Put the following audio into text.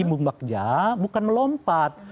bumbagja bukan melompat